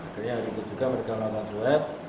akhirnya hari itu juga mereka melakukan swab